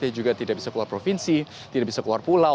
dia juga tidak bisa keluar provinsi tidak bisa keluar pulau